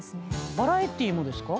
バラエティーもですか？